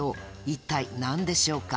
一体何でしょうか？